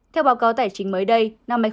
theo báo cáo tài chính mới đây